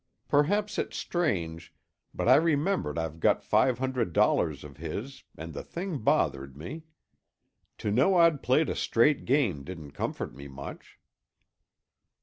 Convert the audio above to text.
Perhaps it's strange, but I remembered I'd got five hundred dollars of his and the thing bothered me. To know I'd played a straight game didn't comfort me much."